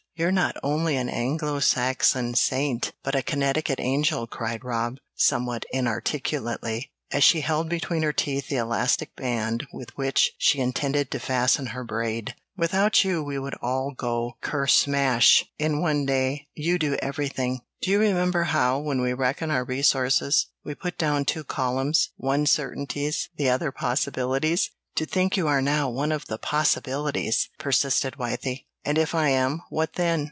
You're not only an Anglo Saxon saint, but a Connecticut angel," cried Rob, somewhat inarticulately, as she held between her teeth the elastic band with which she intended to fasten her braid. "Without you we would all go kersmash! in one day. You do everything." "Do you remember how, when we reckon our resources, we put down two columns, one certainties, the other possibilities? To think you are now one of the possibilities!" persisted Wythie. "And if I am, what then?"